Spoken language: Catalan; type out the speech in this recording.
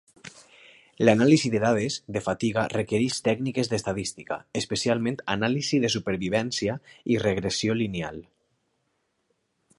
L'anàlisi de dades de fatiga requereix tècniques d'estadística, especialment anàlisi de supervivència i regressió lineal.